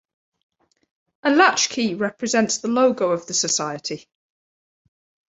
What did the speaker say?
A latchkey represents the logo of the society.